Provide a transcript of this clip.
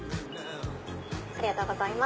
ありがとうございます。